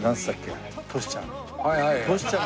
トシちゃん。